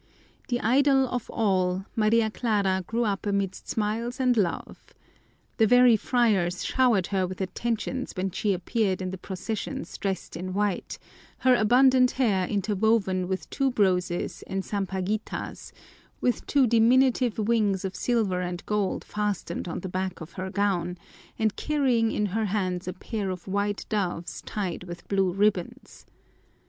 The idol of all, Maria Clara grew up amidst smiles and love. The very friars showered her with attentions when she appeared in the processions dressed in white, her abundant hair interwoven with tuberoses and sampaguitas, with two diminutive wings of silver and gold fastened on the back of her gown, and carrying in her hands a pair of white doves tied with blue ribbons.